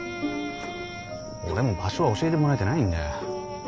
俺も場所は教えてもらえてないんだよ。